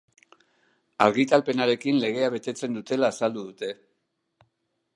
Argitalpenarekin legea betetzen dutela azaldu dute.